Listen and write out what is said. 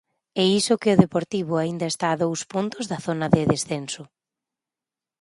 E iso que o Deportivo aínda está a dous puntos da zona de descenso.